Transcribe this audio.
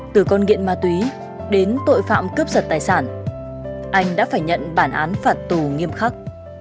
từ con nghiện ma túy đến tội phạm cướp giật tài sản anh đã phải nhận bản án phạt tù nghiêm khắc